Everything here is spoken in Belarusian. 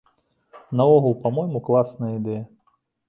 А наогул, па-мойму, класная ідэя!